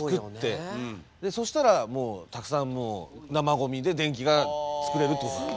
そしたらもうたくさん生ゴミで電気が作れるってことなんで。